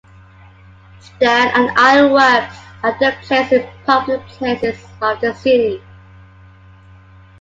Stone and iron works are then placed in public places of the city.